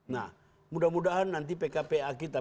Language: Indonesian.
nah mudah mudahan nanti pkpa kita